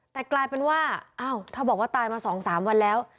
แต่กลายเป็นว่าอ้าวถ้าบอกว่าตายมา๒๓วันแล้ว